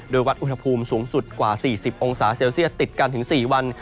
โดยวัดอุณหภูมิสูงสุดกว่า๔๐องศาเซลเซียสติดกันถึง๔วัน